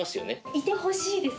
いてほしいです